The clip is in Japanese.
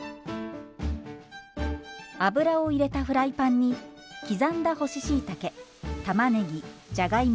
油を入れたフライパンに刻んだ干ししいたけたまねぎじゃがいも